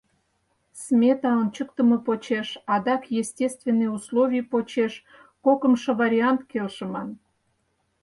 — Смета ончыктымо почеш, адак естественный условий почеш кокымшо вариант келшыман.